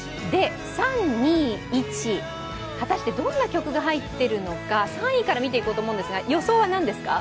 ３、２、１果たしてどんな曲が入っているのか３位から見ていこうと思いますが、お二人の予想は？